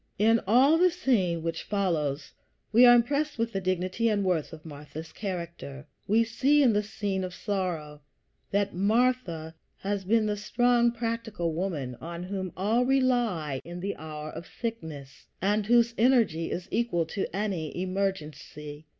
In all the scene which follows we are impressed with the dignity and worth of Martha's character. We see in the scene of sorrow that Martha has been the strong, practical woman, on whom all rely in the hour of sickness, and whose energy is equal to any emergency.